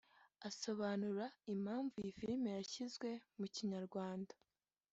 Asobanura impamvu iyi filimi yashyizwe mu Kinyarwanda